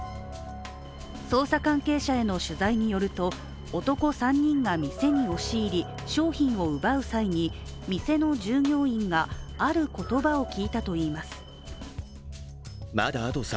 捜査関係者への取材によると男３人が店に押し入り、商品を奪う際に店の従業員が、ある言葉を聞いたといいます。